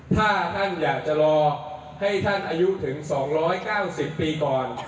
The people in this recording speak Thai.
ถ้าท่านอยากจะรอให้ท่านอายุถึง๒๙๐ปีก่อน